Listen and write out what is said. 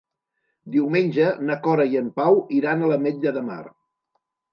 Diumenge na Cora i en Pau iran a l'Ametlla de Mar.